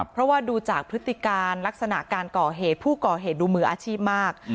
เพราะว่าดูจากพฤติการลักษณะการก่อเหตุผู้ก่อเหตุดูมืออาชีพมาก